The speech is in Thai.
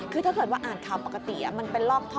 คือถ้าเกิดว่าอ่านข่าวปกติมันเป็นลอกท่อ